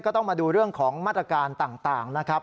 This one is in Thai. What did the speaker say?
ก็ต้องมาดูเรื่องของมาตรการต่างนะครับ